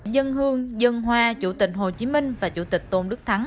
dân hương dân hoa chủ tịch hồ chí minh và chủ tịch tôn đức thắng